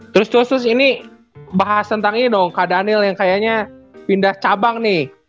terus terus ini bahas tentang ini dong kak daniel yang kayaknya pindah cabang nih